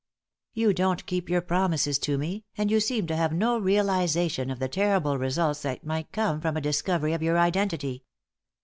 You don't keep your promises to me and you seem to have no realization of the terrible results that might come from a discovery of your identity."